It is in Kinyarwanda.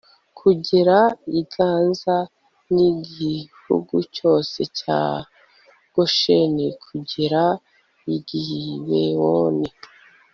kugera i gaza n'igihugu cyose cya gosheni kugera i gibewoni